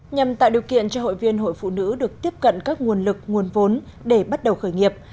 nhằm tạo điều kiện cho hội viên hội phụ nữ được tiếp cận các nguồn lực nguồn vốn để bắt đầu khởi nghiệp